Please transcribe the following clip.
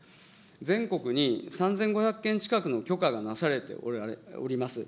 全国に３５００件近くの許可がなされております。